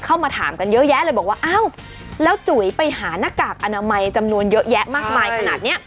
เข้ามาถามกันเยอะแยะเลยบอกว่าอ้าวแล้วจุ๋ยไปหาหน้ากากอนามัยจำนวนเยอะแยะมากมายขนาดนี้